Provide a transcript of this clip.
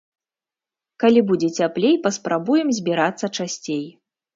Калі будзе цяплей, паспрабуем збірацца часцей.